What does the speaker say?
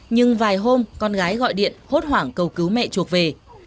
nhưng vài hôm con gái gọi điện hốt hoảng cầu cứu mẹ chuộc về